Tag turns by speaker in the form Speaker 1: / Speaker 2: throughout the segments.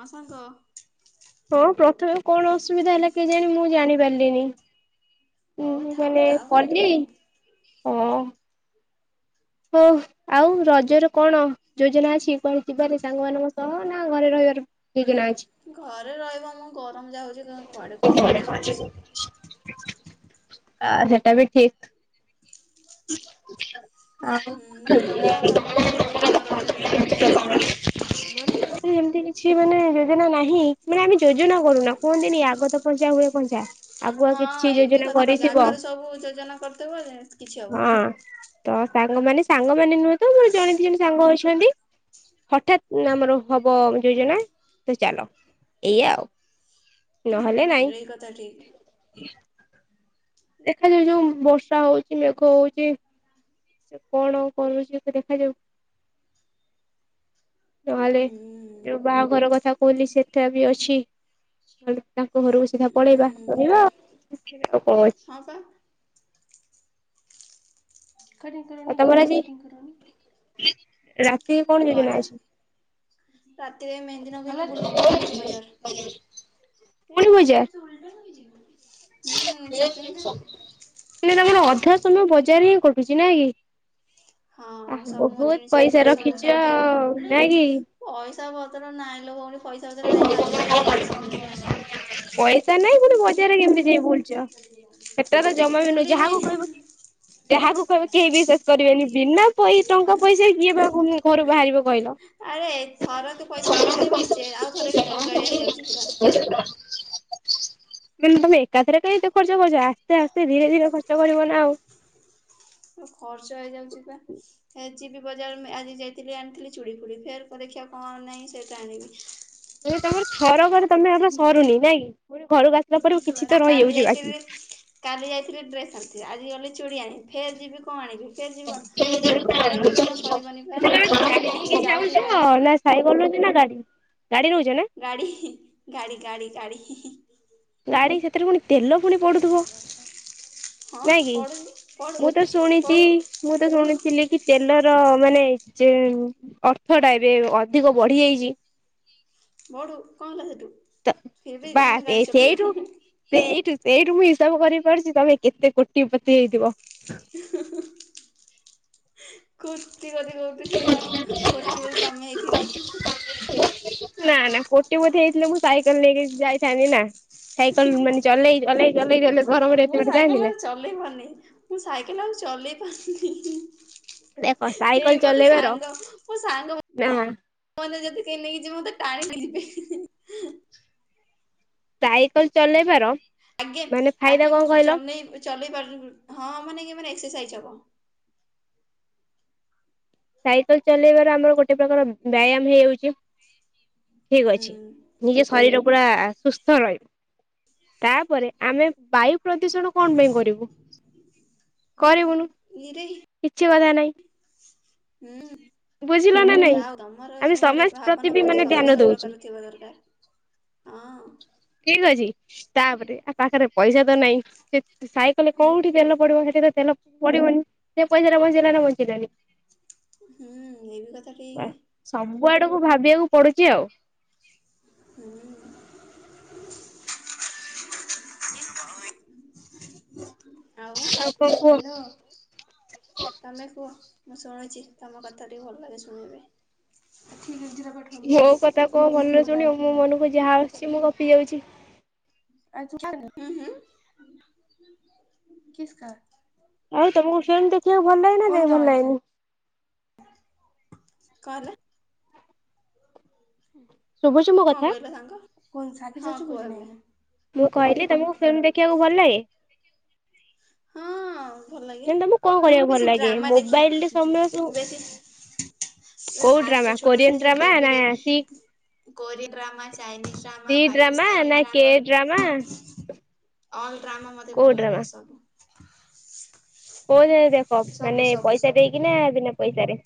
Speaker 1: ହଁ ସାଙ୍ଗ।
Speaker 2: ହଁ ପ୍ରଥମେ କଣ ଅସୁବିଧା ହେଲା କେଜାଣି ମୁଁ ଜାଣିପାରିଲିନି।
Speaker 1: ଅ
Speaker 2: ଉଁ
Speaker 1: ଥାଉ
Speaker 2: ମାନେ
Speaker 1: ଯାହା
Speaker 2: କଲି
Speaker 1: ହୋଉଥିବ ଆଉ‌।
Speaker 2: ହୋଉ ଆଉ ରଜର କଣ ଯୋଜନା ଅଛି କୁଆଡ଼େ ଯିବାରେ ସାଙ୍ଗମାନଙ୍କ ସହ ନା ନା ଘରେ ରହିବାର ଟିକିନା ଅଛି?
Speaker 1: ଘରେ ରହିବୁ ଆମକୁ ଗରମ୍ ଯାହୋଉଛି କୁଆଡ଼େ କଣ ଯିବୁ ଆଉ ମଣିଷ।
Speaker 2: ଆ ସେଟାବି ଠିକ୍।
Speaker 1: [inaudible]
Speaker 2: [inaudible] ଆଉ
Speaker 1: ହୁଉଁ ତମ ତମ କଥା କୁଅ ତମ ରଜରେ କଣ?
Speaker 2: [inaudible]
Speaker 1: [inaudible]
Speaker 2: ଏମତି କିଛି ମାନେ ଯୋଜନା ନାହିଁ ମାନେ ଆମେ ଯୋଜନା କରୁନା କୁହନ୍ତିିନି ଆଗତ ପଞ୍ଚା ହୁଏ ପଞ୍ଚା ଆଗୁଆ
Speaker 1: ହଁ
Speaker 2: କିଛି
Speaker 1: ଏଇବି
Speaker 2: ଯୋଜନା
Speaker 1: କଥା ଠିକ୍
Speaker 2: କରିଥିବ
Speaker 1: ଆଗରେ ସବୁ ଯୋଜନା କରିଦେବ ଜେ କିଛି ହବନି।
Speaker 2: ହଁ। ତ ସାଙ୍ଗମାନେ ସାଙ୍ଗମାନେ ନୁହେଁତ ମୋର ଜଣେ ଦିଜଣ ସାଙ୍ଗ ଅଛନ୍ତି। ହଠାତ୍ ନାଆମର ହବ ଯୋଜନାତ ଚାଲ ଏଇଆ ଆଉ। ନହେଲେ
Speaker 1: ହୁଁ ଏଇ କଥା ଠିକ
Speaker 2: ନାଇଁ। ଦେଖାଯାଉ ଯୋଉ ବର୍ଷା ହୋଉଚି ମେଘ ହୋଉଚି ସେକଣ କରୁଛି ଏବେ ଦେଖାଯାଉ। ନହେଲେ
Speaker 1: ହୁଁ
Speaker 2: ଯୋଉ ବାଆଘର କଥା କୋହିଲି ସେଠାବି ଅଛି ନହେଲେ ତାଙ୍କ ଘରୁକୁ ସିଧା
Speaker 1: ହୁଁ
Speaker 2: ପଳେଇବା ପଳେଇବା ଆଉ କଣ ଅଛି।
Speaker 1: ହଁ ସାର୍ କଟିଂ କରନି ଡବଲ୍ କଟିଂ କରନି
Speaker 2: ରାତିକି କଣ ଯୋଜନା ଅଛି?
Speaker 1: ରାତିରେ ମେହେନ୍ଦି ନଗେଇକି ବୁଲିବି ବଜାର୍।
Speaker 2: ପୁଣି ବଜାର
Speaker 1: କିଛିନା ଓଲଟା ଲଗେଇକି ଜିମି?
Speaker 2: [unintelligible] ମାନେ ତମର ଅଧା ସମୟ ବଜାର ହିଁ କଟୁଛି ନାଇଁକି?
Speaker 1: ହଁ ସବୁ ମୋ ଜିନିଷ
Speaker 2: ପଇସା
Speaker 1: ପତ୍ର ସବୁ
Speaker 2: ରଖିଛ
Speaker 1: ସପିଙ୍ଗ୍
Speaker 2: ନାଇଁ କି
Speaker 1: ପଇସା ପତର ନାହିଁଲୋ ଭଉଣି ପଇସା ପତର ନାଇଁ କାଲି କାନ୍ଦୁଥିଲି ବସିକି।
Speaker 2: ପଇସା ନାଇଁ ପୁଣି ବଜାରରେ କେମିତି ଯାଇ ବୁଲୁଛ ସେଟା ତ ଜମା
Speaker 1: [unintelligible]
Speaker 2: ବି ନୁହେଁ ଯାହାକୁ
Speaker 1: ବୋଲିବି
Speaker 2: କହିବ କି ଯାହାକୁ କହିବୁ କେହି ବିଶ୍ୱାସ କରିବେନି ବିନା ପଇ ଟଙ୍କା ପଇସା କିଏ ବା ଘରୁ ବାହାରିବ କହିଲ
Speaker 1: ଆରେ ଥରକେ ପଇସା ରହୁଛି ମିଞ୍ଚେ ଆଉ ଥରକେ କଙ୍ଗାଳିଆ ହେଇଯାଉଛି
Speaker 2: [unintelligible]
Speaker 1: ପୁରା।
Speaker 2: [unintelligible] ମାନେ ତମେ ଏକାଥରେ କାଇଁ ଏତେ ଖର୍ଚ୍ଚ କରୁଛ, ଆସ୍ତେ ଆସ୍ତେ ଧୀରେ ଧୀରେ ଖର୍ଚ୍ଚ କରିବ ନା ଆଉ।
Speaker 1: ଖର୍ଚ୍ଚ ହେଇଯାଉଚି ବା ଏ ଆଜିିବି ବି ବଜାର ଆଜି ଯାଇଥିଲି ଆଣିଥିଲି ଚୁଡ଼ି ଫୁଡ଼ି, ଫେର୍ ଦେଖିବା କଣ ନାହିଁ ସେଇଟା ଆଣିବି।
Speaker 2: ମୁଁ କହିଲି ତମର ଥରକରେ ତମର ସରୁନି ନା କି? ପୁଣି ଘରକୁ ଆସିଲା ପରେ କିଛି ତ
Speaker 1: କାଲି
Speaker 2: ରହିଯାଉଛି ବାକି।
Speaker 1: ଯାଇଥିଲି କାଲି ଯାଇଥିଲି ଡ୍ରେସ୍ ଆଣିଥିଲି, ଆଜି ଗଲି ଚୁଡ଼ି ଆଣି ଫେର୍ ଯିବି, କଣ କଣ ଆଣିବି କେ ଯିବ
Speaker 2: ଆଚ୍ଛା
Speaker 1: ମୋର ଥରକେ ଜମା ସରିବନି ବା,
Speaker 2: ତମେ ଗାଡି
Speaker 1: ମୁଁ
Speaker 2: ନେଇକି ଯାଉଛ
Speaker 1: ଯାଉଥିବି ବା ଆସି।
Speaker 2: ନା ସାଇକଲ ନଉଛ ନା ଗାଡି, ଗାଡି ନଉଛ ନା?
Speaker 1: ଗାଡ଼ି ଗାଡ଼ି ଗାଡ଼ି ଗାଡ଼ି।
Speaker 2: ଗାଡି, ସେଥିରେ ପୁଣି ତେଲ ପୁଣି ପଡୁଥିବ?
Speaker 1: ହଁ
Speaker 2: ନା କି,
Speaker 1: ପଢୁନି ପଢୁ
Speaker 2: ମୁଁ ତ ଶୁଣିଚି
Speaker 1: ପଢୁ
Speaker 2: ମୁଁ ତ ଶୁଣିଥିଲି କି ତେଲର ମାନେ ଯେ ଅର୍ଥଟା ଏବେ ଅଧିକ ବଢି ଯାଇଚି।
Speaker 1: ବଢ଼ୁ କଣ ହେଲା ସେଠୁ,
Speaker 2: ତ
Speaker 1: ଫିରଭି
Speaker 2: ବାସ୍
Speaker 1: ଆମେ
Speaker 2: ଏ
Speaker 1: ଗାଡି
Speaker 2: ସେଇଠୁ
Speaker 1: ଚଲେଇବୁ।
Speaker 2: ସେଇଠୁ ସେଇଠୁ ମୁଁ ହିସାବ କରିପାରୁଚି ତମେ କେତେ କୋଟି ପତି ହେଇଥିବ।
Speaker 1: [unintelligible] କୋଟିପତି ବହୁତ୍ ହେଇଥିବ କୋଟିପତି ତମେ ହେଇଥିବ।
Speaker 2: ନା ନା କୋଟିପତି ହେଇଥିଲେ ମୁଁ ସାଇକେଲ ନେଇକି ଯାଇଥାନ୍ତିି ନା? ସାଇକଲ ମାନେ ଚଲେଇ ଚଲେଇ ଚଲେଇଲେ ଗରମରେ ଏତେ ବାଟ ଯାଆନ୍ତି ନା?
Speaker 1: ମୁଁ ଚଲେଇପାରୁନି, ମୁଁ ସାଇକେଲ ଆଉ ଚଲେଇପାରୁନି।
Speaker 2: ଦେଖ ସାଇକେଲ
Speaker 1: କେହି ମତେ
Speaker 2: ଚଲେଇବାର
Speaker 1: ସାଙ୍ଗ, ମୋ ସାଙ୍ଗ ମତେ
Speaker 2: ନା
Speaker 1: ସାଙ୍ଗ ମାନେ ଯଦି କେହି ନେଇକିଯିବେ ମତେ ଟାଣିକି ନେଇଯିବେ।
Speaker 2: ସାଇକେଲ ଚଲେଇବାର
Speaker 1: ଆଜ୍ଞ
Speaker 2: ମାନେ ଫାଇଦା
Speaker 1: ଆଜ୍ଞା
Speaker 2: କଣ
Speaker 1: ମୁଁ
Speaker 2: କହିଲ
Speaker 1: ଚଲେଇ ଚଲେଇ [inaudible] ହଁ ମାନେ କି ମାନେ ଏକ୍ସରସାଇଜ ହବ।
Speaker 2: ସାଇକେଲ ଚଲେଇବାର ଆମର ଗୋଟେ ପ୍ରକାର ବ୍ୟାୟାମ ହେଇଯାଉଛି। ଠିକ ଅଛି,
Speaker 1: ହୁଁ
Speaker 2: ନିଜ ଶରୀର ପୁରା ସୁସ୍ଥ ରହିବ। ତାପରେ ଆମେ ବାୟୁ ପ୍ରଦୂଷଣ କଣ ପାଇଁ କରିବୁ? କରିବୁନୁ।
Speaker 1: ଇରେ
Speaker 2: କିଛି କଥା ନାହିଁ।
Speaker 1: ହୁଁ।
Speaker 2: ବୁଝିଲ ନା ନାଇଁ।
Speaker 1: ଯାହା ହୋଉ ତମର
Speaker 2: ଆମେ
Speaker 1: ସୁ ଗୋଟେ
Speaker 2: ସମାଜ ପ୍ରତି
Speaker 1: ଭାବନା
Speaker 2: ବି ମାନେ
Speaker 1: ହଉଛି
Speaker 2: ଧ୍ୟାନ ଦଉଛୁ
Speaker 1: ସମସ୍ତଙ୍କର ଥିବା ଦରକାର। ହଁ।
Speaker 2: ଠିକ ଅଛି ତାପରେ ଆ ପାଖରେ ପଇସା ତ ନାହିଁ, ଯେ ସାଇକେଲ
Speaker 1: ହୁଁ
Speaker 2: କୋଉଠି ତେଲ ପଡିବ ସେଠି ତେଲ ପଡିବନି ସେ ପଇସାରେ ବଞ୍ଚେଲା ନା ବଞ୍ଚିଲାନି?
Speaker 1: ହୁଁ ଇଏ ବି କଥା ଠିକ।
Speaker 2: ସବୁ ଆଡକୁ ଭାବିବାକୁ ପଡୁଚି ଆଉ।
Speaker 1: ହୁଁ। ଆଉ,
Speaker 2: କଣ କୁହ
Speaker 1: ହ୍ୟାଲୋ। ତମେ କୁହ ମୁଁ ଶୁଣୁଛି, ତମ କଥା ଟିକେ ଭଲ ଲାଗେ ଶୁଣିବାପାଇଁ। ଠିକ ଅଛି [unintelligible]
Speaker 2: ମୋ କଥା କଉ ଭଲରେ ଶୁଣିବ ମୋ ମନକୁ ଯାହା ଆସୁଛି ମୁଁ ଗପି ଯାଉଚି।
Speaker 1: ଆଜି ତୁ ଖାଇଲୁ, କିସ କର।
Speaker 2: ଆଉ ତମକୁ ଫିଲ୍ମ ଦେଖିବାକୁ ଭଲ ଲାଗେନା ନା ଭଲ ଲାଗେନି?
Speaker 1: କଣ ହେଲା,
Speaker 2: ଶୁଭୁଛି ମୋ
Speaker 1: କଣ
Speaker 2: କଥା
Speaker 1: କହିଲ ସାଙ୍ଗ? ସ୍କୁଲ ସାର୍ଟିଫିକେଟ ତୋ [unintelligible]
Speaker 2: ମୁଁ କହିଲି ତମକୁ ଫିଲ୍ମ ଦେଖିବାକୁ ଭଲ ଲାଗେ?
Speaker 1: ହଁ, ଭଲ ଲାଗେ
Speaker 2: ଦେନ୍ ତମକୁ କଣ କରିବାକୁ ଭଲ
Speaker 1: ବେଶୀ
Speaker 2: ଲାଗେ
Speaker 1: ଡ୍ରାମା ଦେଖି
Speaker 2: ମୋବାଇଲ ରେ
Speaker 1: ଆସିଛି
Speaker 2: ସମୟ ସୁ
Speaker 1: ବେଶୀ ପୁରା
Speaker 2: କୋଉ ଡ୍ରାମା
Speaker 1: ଫାଷ୍ଟରେ ଛୋଟ
Speaker 2: କୋରିଆନ
Speaker 1: ଡ୍ରେସ ଆଉ
Speaker 2: ଡ୍ରାମା ନା
Speaker 1: ଟିଭିରେ
Speaker 2: C
Speaker 1: Korean drama Chinese
Speaker 2: C
Speaker 1: drama, Pakistani
Speaker 2: ନା କେ
Speaker 1: ଡ୍ରାମା। ଅଲ୍ ଡ୍ରାମା ମତେ
Speaker 2: କୋଉ
Speaker 1: ଭଲ
Speaker 2: ଡ୍ରାମା?
Speaker 1: ଲାଗେ ସବୁ।
Speaker 2: କୋଉଯାଏ ଦେଖ
Speaker 1: ସବୁ
Speaker 2: ମାନେ
Speaker 1: ସବୁ
Speaker 2: ପଇସା
Speaker 1: ସବୁ
Speaker 2: ଦେଇକିନା ବିନା ପଇସାରେ?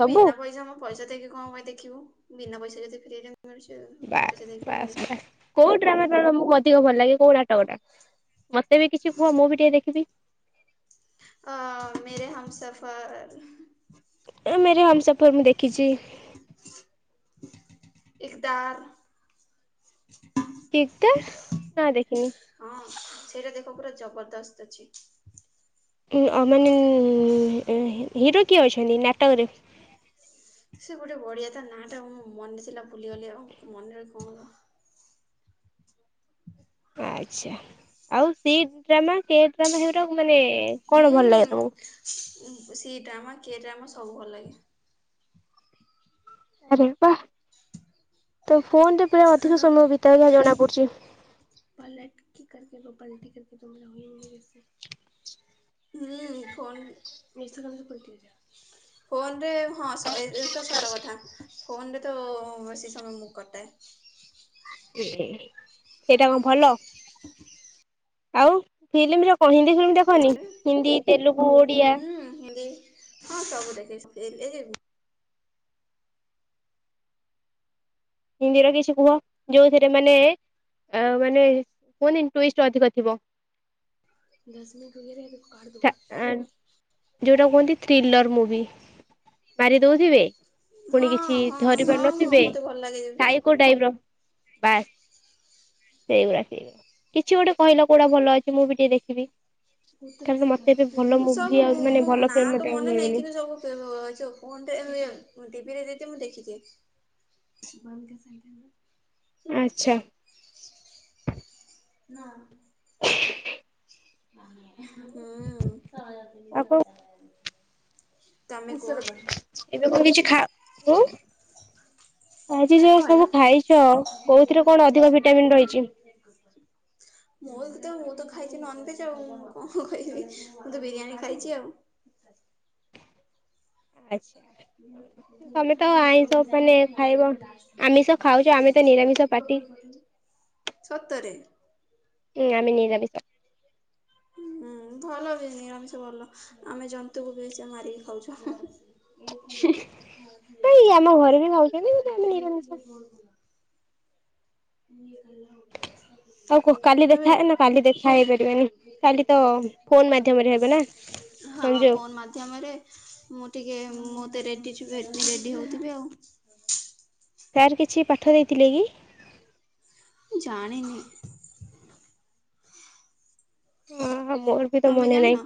Speaker 2: ସବୁ?
Speaker 1: ବିନା ପଇସା ମଁ ପଇସା ଦେଇକି କଣ ପାଇଁ ଦେଖିବୁ ବିନା ପଇସା ରେ ତ ଫ୍ରୀରେ ମିଳୁଚି ଆଉ
Speaker 2: ବାସ୍
Speaker 1: ପଇସା ଦେଇିକି କଣ ପାଇଁ
Speaker 2: ବାସ୍
Speaker 1: ଦେଖିବୁ।
Speaker 2: ବାସ୍। କୋଉ ଡ୍ରାମାଫ୍ରାମା ତମକୁ ଅଧିକ ଭଲ ଲାଗେ କୋଉ ନାଟକଟା? ମତେ ବି କିଛି କୁହ ମୁଁ ବି ଟିକେ ଦେଖିବି।
Speaker 1: ଅ ମେରେ ହମ ସଫର
Speaker 2: ଏ ମେରେ ହାମସଫର ମୁଁ ଦେଖିଚି।
Speaker 1: ଇସ୍ତାର।
Speaker 2: ଇତାର, ନା ଦେଖିନି।
Speaker 1: ହଁ ସେଇଟା ଦେଖ ପୁରା ଜବରଦସ୍ତ ଅଛି।
Speaker 2: [unintelligible] ହିରୋ କିଏ ଅଛନ୍ତି ନାଟକରେ?
Speaker 1: ସେ ଗୋଟେ ବଢିଆ ତା ନାଁ ଟା ମନେ ଥିଲା ଭୁଲିଗଲି ଆଉ ମନେ ରେ କଣ
Speaker 2: ଆଛା ଆଉ ସି ଡ୍ରାମା କେ ଡ୍ରାମା ହେଗୁରା ମାନେ କଣ ଭଲ ଲାଗେ ତମକୁ?
Speaker 1: ହୁଁ ସି ଡ୍ରାମା କେ ଡ୍ରାମା ସବୁ ଭଲ ଲାଗେ।
Speaker 2: ଆରେ ବାଃ ତ ଫୋନ ରେ ପୁରା ଅଧିକ ସମୟ ବିତାଇବ ଜଣା ପଡୁଚି।
Speaker 1: [unintelligible] ହୁଁ ଫୋନ୍ ନୀସଚିନ୍ତ ପଲଟି ଯା।
Speaker 2: ଅଡିଓ ଶୁଭୁ ନାହିଁ।
Speaker 1: ଫୋନରେ ହଁ ଏ ତ ସତ କଥା ଫୋନରେ ତ ବେଶୀ ସମୟ ମୁଁ କଟାଏ।
Speaker 2: ଏ ହେ ଏଟା କଣ ଭଲ? ଆଉ ଫିଲ୍ମ ର କଣ ହିନ୍ଦୀ ଫିଲ୍ମ ଦେଖନି ହିନ୍ଦୀ ତେଲୁଗୁ ଓଡିଆ?
Speaker 1: ହୁଁ ହିନ୍ଦୀ ହଁ ସବୁ ଦେଖେଛି [unintelligible]
Speaker 2: ହିନ୍ଦୀରେ କିଛି କୁହ ଯୋଉଥିରେ ମାନେ ମାନେ କୁହନ୍ତିନି ଟୁଇଷ୍ଟ ଅଧିକ ଥିବ?
Speaker 1: [unintelligible]
Speaker 2: ଆ ଯୋଉଟା କୁହନ୍ତି କିଲର ମୁଭି ମାରି ଦଉଥିବେ, ପୁଣି କିଛି
Speaker 1: ହଁ ହଁ
Speaker 2: ଧରିପାରୁ
Speaker 1: ହଁ ହଁ
Speaker 2: ନଥିବେ
Speaker 1: ମତେ ଭଲ ଲାଗେ।
Speaker 2: ସାଇକୋ ଟାଇପର ବାସ୍। ସେଇଭଳିୟା ସିଏ କିଛି ଗୋଟେ କହିଲ କୋଉଟା ଭଲ ଅଛି ମୁଁ ବି ଟିକେ ଦେଖିବି। କାରଣ ମତେ ଏବେ ଭଲ
Speaker 1: ସବୁ
Speaker 2: ମୁଭି ଆଉ ମାନେ ଭଲ ଫିଲ୍ମ
Speaker 1: ନାଁ ତ
Speaker 2: ମତେ ଆଉ
Speaker 1: ମନେ ନାହିଁ
Speaker 2: ମିଳୁନି
Speaker 1: କିନ୍ତୁ ସବୁ ତେଣୁ ଆଛା କୁହନ୍ତି ଆମେ ଉଁ ଟିଭିରେ ଦେଇଥିବ ମୁଁ ଦେଖିକି [unintelligible]
Speaker 2: ଆଚ୍ଛା।
Speaker 1: ନା।
Speaker 2: ଥ୍ରୀଡ଼ି ଆଉ
Speaker 1: ହୁଁ।
Speaker 2: କଣ
Speaker 1: [inaudible]
Speaker 2: ଏବେ କଣ କିଛି ଖାଅ
Speaker 1: ଚି ଚି ଚିଉଁ
Speaker 2: ଆଜି ଯାହା ସବୁ ଖାଇଚ କୋଉଥିରେ କଣ ଅଧିକ ଭିଟାମିନ ରହିଚି?
Speaker 1: [inaudible] ମୋର ତ ମୁଁ ତ ଖାଇଚି ନନଭେଜ ଆଉ କଣ କହିବି ମୁଁ ତ ବିରିୟାନୀ ଖାଇଚି ଆଉ।
Speaker 2: ଆଚ୍ଛା। ତମେ ତ ଆଇଁଷ ମାନେ ଖାଇବ।
Speaker 1: [inaudible]
Speaker 2: ଆମିଷ
Speaker 1: [inaudible]
Speaker 2: ଟକ
Speaker 1: ସତରେ?
Speaker 2: ହୁଁ ଆମେ ନିରାମିଷ।
Speaker 1: ହୁଁ ଭଲ ବି ନିରାମିଷ ଭଲ ଆମେ ଜନ୍ତୁକୁ ବି ସେ ମାରିକି ଖାଉଚୁ।
Speaker 2: ଏଇ ଆମ ଘରେ ବି ଖାଉଛନ୍ତି କିନ୍ତୁ ଆମେ ନିରାମିଷ।
Speaker 1: [inaudible] [inaudible]
Speaker 2: ଆଉ କାଲି ଦେଖା
Speaker 1: [inaudible]
Speaker 2: ନା କାଲି ଦେଖା ହେଇପାରିବାନି
Speaker 1: ମୁଁ
Speaker 2: କାଲି ତ ଫୋନ
Speaker 1: ଟିକେ
Speaker 2: ମାଧ୍ୟମରେ ହେବ ନା
Speaker 1: ମୋତେ
Speaker 2: ସଂଯୋଗ।
Speaker 1: ରେଡ଼ି ରେଡ଼ି ହେଉଥିବି ଆଉ।
Speaker 2: ସାରେ କିଛି ପାଠ ଦେଇଥିଲେ କି?
Speaker 1: ଜାଣି ନିି।
Speaker 2: ଆ ମୋର ବି ତ
Speaker 1: ତମେ
Speaker 2: ମନେ
Speaker 1: ଜାଣିନ?
Speaker 2: ନାଇ।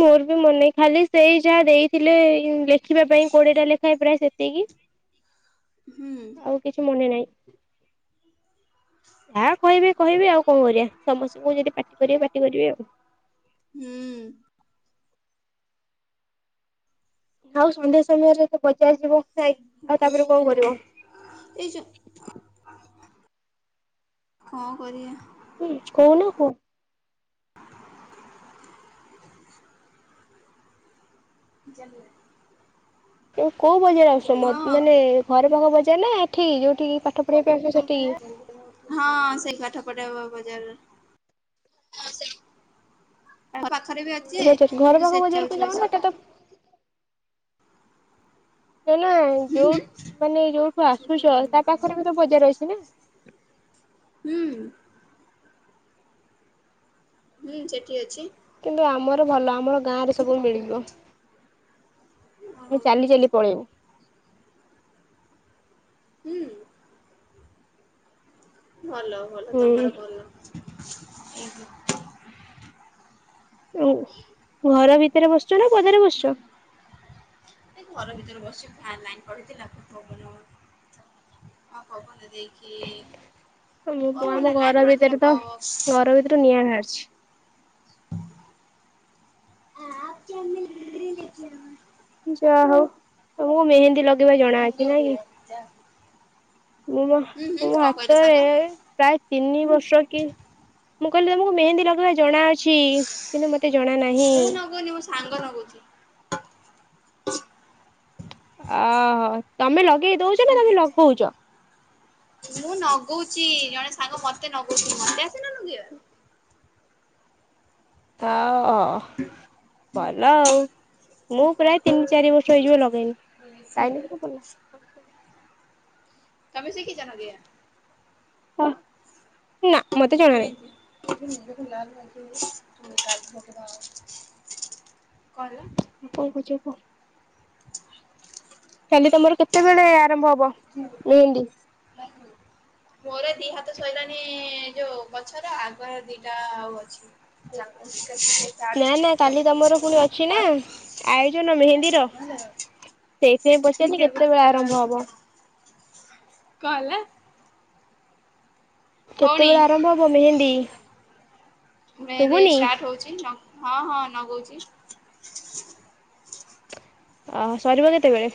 Speaker 2: ମୋର ବି ମନେ ଖାଲି ସେଇ ଯାହା ଦେଇଥିଲେ ଏଇ ଲେଖିବା ପାଇଁ କୋଡିଏଟା ଲେଖାଏ ପ୍ରାୟ ସେତିକି।
Speaker 1: ହୁଁ।
Speaker 2: ଆଉ କିଛି ମନେ ନାଇ ଯାହା କହିବେ। କହିବି ଆଉ କଣ କରିବା ସମସ୍ତଙ୍କୁ ଯଦି ପାଟି କରିବେ ପାଟି କରିବେ ଆଉ।
Speaker 1: ହୁଁ।
Speaker 2: ଆଉ ସନ୍ଧ୍ୟା ସମୟରେ ତ ବଜାର ଯିବ। ନାଇଁ
Speaker 1: ହୁ
Speaker 2: ଆଉ
Speaker 1: ହୋ।
Speaker 2: ତାପରେ କଣ କରିବ?
Speaker 1: ଏଇ ଯୋଉ। କଣ କରିବା?
Speaker 2: [unintelligible] କହୁନ କୁହ।
Speaker 1: ଜାନ୍ନେ।
Speaker 2: ଏ କୋଉ ବଜାର ଆସୁଛ ମ ମାନେ ଘର ପାଖ ବଜାର ନା ଏଠି ଯୋଉଠିକି ପାଠ? ପଢିବା ପାଇଁ ଆସୁଛ ସେଠିକି?
Speaker 1: ହଁ ସେଇ ପାଠ ପଟା ବ-ବଜାର।
Speaker 2: ହଁ ସେ
Speaker 1: ତାଙ୍କ ପାଖରେ ବି ଅଛି
Speaker 2: ବଜାର ଘର
Speaker 1: କିନ୍ତୁ
Speaker 2: ପାଖ
Speaker 1: ସେଠି
Speaker 2: ବଜାରକୁ
Speaker 1: ଯାଉଛି
Speaker 2: ଯାଉନ
Speaker 1: ବେଶୀ।
Speaker 2: ଏଟା ତ ଏ ନା
Speaker 1: ହୁଁ
Speaker 2: ଯୋଉ
Speaker 1: ହୁଁ।
Speaker 2: ମାନେ ଯୋଉଠୁ ଆସୁଛ ତା ପାଖରେ ବି ତ ବଜାର ଅଛି ନା।
Speaker 1: ହୁଁ। ହୁଁ ସେଠି ଅଛି।
Speaker 2: କିନ୍ତୁ ଆମର ଭଲ ଆମର ଗାଁ ରେ ସବୁ
Speaker 1: ଓହୋ
Speaker 2: ମିଳିଯିବ ଚାଲି ଚାଲି। ପଳେଇମୁ।
Speaker 1: ହୁଁ। ଭଲ ଭଲ ତମର
Speaker 2: ହୁଁ
Speaker 1: ଭଲ ଉଁ ହୁଁ।
Speaker 2: ଉଁ ଘର ଭିତରେ ବସିଛ ନା ପଦାରେ ବସିଛ?
Speaker 1: ଏ ଘର ଭିତରେ ବସିଚି ଫ୍ୟାନ ଲାଇନ ପଳେଇ ଥିଲା ତ ପବନ ହଉ [inaudible] ହଁ ପବନ ଦେଇକି ପବନ ଲାଇନ ପଳେଇଥିଲା ପ ସ।
Speaker 2: ଟୁ ନିଆଁ ବାହାରୁଛି। ଯାହା ହଉ ତମକୁ ମେହେନ୍ଦୀ ଲ
Speaker 1: ମେହେନ୍ଦି ପକେଇବ ଯା ହୁ।
Speaker 2: ମୁଁ ମୋ ମୁଁ ମୋ ହାତରେ। ପ୍ରାୟ ତିନି ବର୍ଷ କି ମୁଁ କହିଲି ତମକୁ ମେହେନ୍ଦୀ ଲଗେଇବା ଜଣା ଅଛି। କିନ୍ତୁ ମତେ ଜ
Speaker 1: ମୁଁ ନଗଉନି ମୋ ସାଙ୍ଗ ନଗଉଛି।
Speaker 2: ଆହୋ ତମେ ଲଗେଇ ଦଉଛ ନା ତମେ ଲଗଉଛ?
Speaker 1: ମୁଁ ନଗଉଚି ଜଣେ ସାଙ୍ଗ ମତେ ନଗେଇ [inaudible]
Speaker 2: ତା ଓ ଅ। ଭଲ ଆଉ ମୁଁ ପ୍ରାୟ ତିନି ଚାରି ବର୍ଷ ହେଇଯିବ ଲଗେଇନି। ଟାଇମ୍ ଦେଖିଲୁ କେତେ ହେଲା?
Speaker 1: ତମେ ଶିଖିଛ ନଗେଇବା।
Speaker 2: ଅ।
Speaker 1: ମୁଁ [unintelligible] [unintelligible] କରେ।
Speaker 2: ଆଉ କଣ କହୁଛ କୁହ? କାଲି ତମର କେତେବେଳେ ଆରମ୍ଭ ହବ? ମେହେନ୍ଦୀ
Speaker 1: [unintelligible] ଲାଗିବ। ମୋର ଦି ହାତ ସଇଲାଣି ଯୋଉ ପଛର ଆଗରେ ଦିଟା ଆଉ ଅଛି। ଲଗ୍ [unintelligible]
Speaker 2: ନା
Speaker 1: ଚାର୍ଚିସ
Speaker 2: ନା
Speaker 1: ଟିକେ
Speaker 2: କାଲି
Speaker 1: ରହ
Speaker 2: ତମର ପୁଣି ଅଛି ନା ଆୟୋଜନ ମେହେନ୍ଦୀର
Speaker 1: ଭଲ।
Speaker 2: ସେଇଥିପାଇଁ ପଚାରିଲି କେତେବେଳେ
Speaker 1: କଣ
Speaker 2: ଆରମ୍ଭ ହବ?
Speaker 1: ହେଲା? ଭଉଣୀ
Speaker 2: କେତେବେଳେ ଆରମ୍ଭ ହବ ମେହେନ୍ଦି?
Speaker 1: ମେହେନ୍ଦି ଏଇ ଷ୍ଟାର୍ଟ ହଉଛି। ହଁ ହଁ ନଗଉଛି।
Speaker 2: ଆଉ ସରିବ କେତେବେଳେ?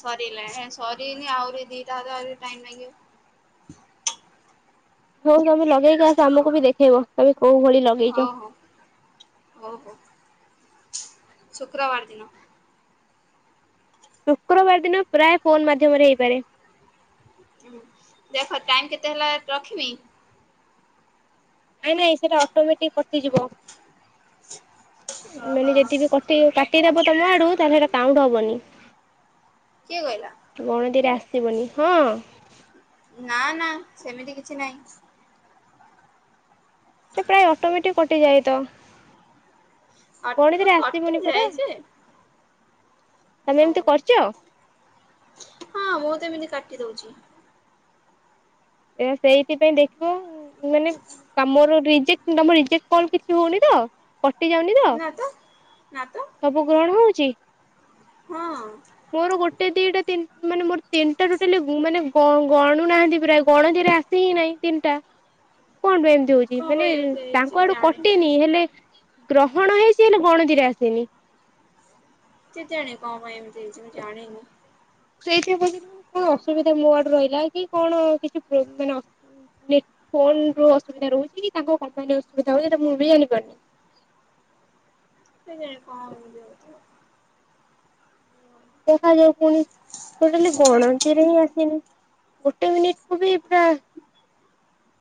Speaker 1: ସରିଲା ସରିନି ଆହୁରି ଦିଟା ହାତେ ଆହୁରି ଟାଇମ ନାଗିବ।
Speaker 2: ହଉ ତମେ ଲଗେଇକି ଆସ
Speaker 1: ହଉ
Speaker 2: ଆମକୁ ବି ଦେଖେଇବ। ତମେ କୋଉ ଭଳି ଲଗେଇଛ?
Speaker 1: ଓହୋ ଶୁକ୍ରବାର ଦିନ।
Speaker 2: ଶୁକ୍ରବାର ଦିନ ପ୍ରାୟ ଫୋନ ମାଧ୍ୟମରେ ହେଇପାରେ।
Speaker 1: ହୁଁ ଦେଖ ଟାଇମ କେତେ ହେଲା ରଖିମି?
Speaker 2: ନାଇଁ ନାଇଁ ସେଟା ଅଟୋମେଟିକ କଟିଯିବ।
Speaker 1: ଓହୋ
Speaker 2: ମାନେ ଯଦି ବିି କଟେଇବ କା କାଟିଦବ ତମ ଆଡୁ ତାହେନେ ସେଇଟା କାଉଣ୍ଟ ହବନି।
Speaker 1: କିଏ କହିଲା?
Speaker 2: ଗଣତିରେ ଆସିବନି ହଁ।
Speaker 1: ନା ନା ସେମିତି କିଛି ନାହିଁ।
Speaker 2: ସେ ପ୍ରାୟ ଅଟୋମେଟିକ୍ କଟିଯାଏ ତ। ଗଣତି
Speaker 1: କଟ
Speaker 2: ରେ
Speaker 1: କଟି
Speaker 2: ଆସିବନି
Speaker 1: ଯାଏ
Speaker 2: ପରା।
Speaker 1: ଯେ
Speaker 2: ତମେ ଏମିତି କରିଛ
Speaker 1: ହଁ ମୁଁ ତ ଏମିତି କାଟି ଦଉଛି।
Speaker 2: ଏ ସେଇଥିପାଇଁ ଦେଖିବ ମାନେ କାମର ରିଜେକ୍ ତମ ରିଜେକ୍ଟ କଲ କିଛି ହଉନି ତ। କଟି ଯାଉନି ତ
Speaker 1: ନା ତ
Speaker 2: ସବୁ ଗ୍ରହଣ ହଉଛି।
Speaker 1: ହଁ
Speaker 2: ମୋର ଗୋଟେ ଦିଟା ତୀନ ମାନେ ମୋର ତିନିଟା ଟୋଟାଲି ମାନେ ଗ-ଗଣୁ ନାହାନ୍ତି ପ୍ରାୟ। ଗଣତିରେ ଆସ ହିଁ ନାଇଁ ତିନିଟା। କଣ ପାଇଁ ଏମିତି ହଉ ଚି
Speaker 1: କଣ
Speaker 2: ମାନେ
Speaker 1: ପାଇଁ ଏମିତି
Speaker 2: ତାଙ୍କ
Speaker 1: ହେଇଛି
Speaker 2: ଆଡୁ
Speaker 1: ଜାଣିନି
Speaker 2: କଟିନି। ହେଲେ ଗ୍ରହଣ ହେଇଚି ହେଲେ ଗଣତିରେ ଆସିନି।
Speaker 1: କେଜାଣି କଣ ପାଇଁ ଏମିତି ହେଇଚି ମୁଁ ଜାଣିନି।
Speaker 2: ସେଇଥି ପାଇଁ ଭାବୁଥିଲି କଣ ଅସୁବିଧା ମୋ ଆଡୁ ରହିଲା। କି କଣ କିଛି ପ୍ରୋ ମାନେ ନେଟ ଫୋନର ଅସୁବିଧା ରହୁଛି। କି ତାଙ୍କ କମ୍ପାନୀ ଅସୁବିଧା ହଉଛି। ସେଟା ମୁଁ ବି ଜାଣିପାରୁନି।
Speaker 1: କେଜାଣି କଣ ହେଇଥିବ ଗୋଟେ ଆଉ।
Speaker 2: ଦେଖାଯାଉ ପୁଣି ଟୋଟାଲି ଗଣତିରେ ହିଁ ଆସିନି। ଗୋଟେ ମିନିଟ୍ କୁ ବି ପୁରା